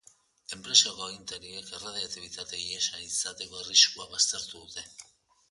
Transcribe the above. Enpresako agintariek erradiaktibitate-ihesa izateko arriskua baztertu dute.